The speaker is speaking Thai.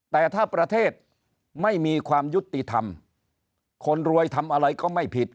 แต่ถ้าประเทศไม่มีความยุติธรรมคนรวยทำอะไรก็ไม่ผิด